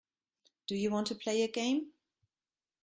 Do you want to play a game.